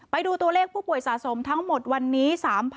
ไปดูตัวเลขผู้ป่วยสะสมทั้งหมดวันนี้